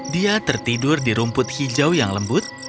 dia tertidur di rumput hijau yang lembut